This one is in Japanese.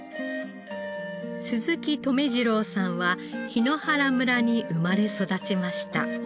鈴木留次郎さんは檜原村に生まれ育ちました。